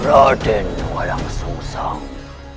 raden walang sungsang